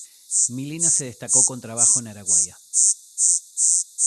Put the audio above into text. Milena se destacó con trabajo en Araguaia.